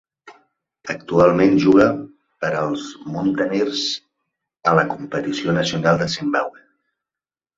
Actualment juga per als Mountaineers a la competició nacional de Zimbabwe.